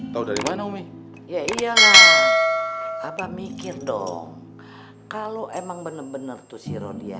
tahu dari mana umi ya iyalah abang mikir dong kalau emang bener bener tuh si rodya hamil